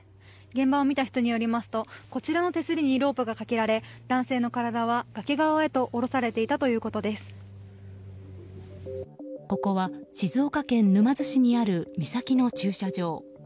現場を見た人によりますとこちらの手すりにロープがかけられ男性の体は崖側へ下ろされていたここは静岡県沼津市にある岬の駐車場。